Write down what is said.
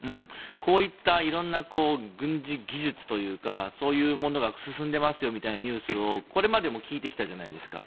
こういった色んな軍事技術というかそういうものが進んでますよみたいなニュースをこれまでも聞いてきたじゃないですか。